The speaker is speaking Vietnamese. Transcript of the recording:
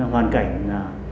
hoàn cảnh là